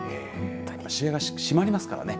試合が締りますからね。